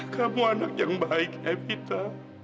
kamu anak yang baik epita